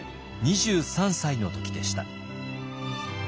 ２３歳の時でした。